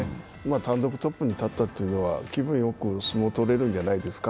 単独トップに立ったというのは気分よく相撲とれるんじゃないですか。